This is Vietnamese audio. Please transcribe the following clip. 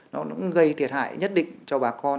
nó cũng gây thiệt hại nhất định cho bà con